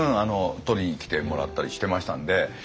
取りに来てもらったりしてましたんで。